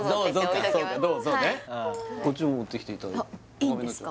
こっちも持ってきていただいていいんですか？